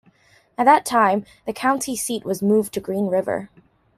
At that time, the county seat was moved to Green River.